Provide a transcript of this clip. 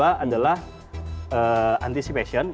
yang kedua adalah anticipation